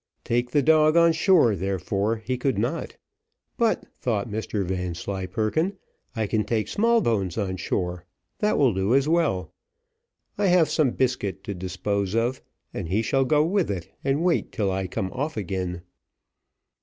Take the dog on shore, therefore, he could not; but, thought Mr Vanslyperken, I can take Smallbones on shore, that will do as well. I have some biscuit to dispose of, and he shall go with it and wait till I come off again.